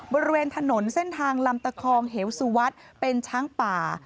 บริเวณถนนเส้นทางลำตะคองเหวสุวัสดิ์เป็นช้างป่า